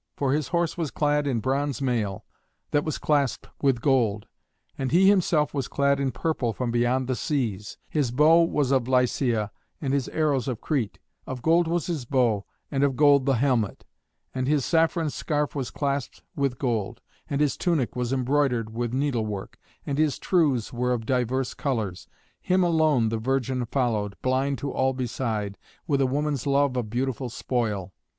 For his horse was clad in bronze mail, that was clasped with gold; and he himself was clad in purple from beyond the seas; his bow was of Lycia and his arrows of Crete; of gold was his bow, and of gold the helmet; and his saffron scarf was clasped with gold; and his tunic was embroidered with needlework, and his trews were of divers colours. Him alone the virgin followed, blind to all beside, with a woman's love of beautiful spoil.